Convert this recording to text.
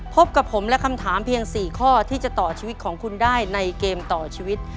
พบกับผมและคำถามเพียง๔ข้อที่จะต่อชีวิตของคุณได้ในเกมต่อชีวิต